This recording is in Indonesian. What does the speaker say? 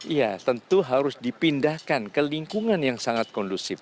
iya tentu harus dipindahkan ke lingkungan yang sangat kondusif